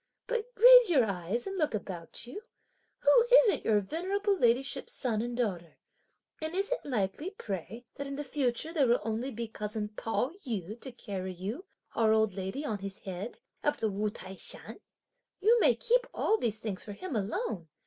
But raise your eyes and look about you; who isn't your venerable ladyship's son and daughter? and is it likely, pray, that in the future there will only be cousin Pao yü to carry you, our old lady, on his head, up the Wu T'ai Shan? You may keep all these things for him alone!